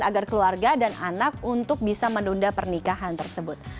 agar keluarga dan anak untuk bisa menunda pernikahan tersebut